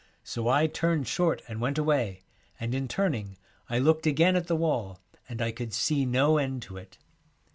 So I turned short and went away, and in turning I looked again at the wall, and I could see no end to it.